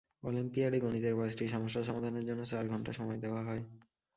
অলিম্পিয়াডে গণিতের পাঁচটি সমস্যা সমাধানের জন্য চার ঘণ্টা সময় দেওয়া হয়।